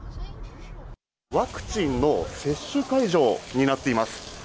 ワクチンの接種会場になっています。